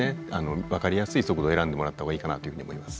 分かりやすい速度を選んでもらった方がいいかなというふうに思います。